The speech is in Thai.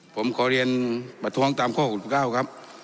ผมขอเรียนประท้วงตามข้อ๖๙ครับ